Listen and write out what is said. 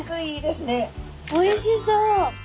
おいしそう！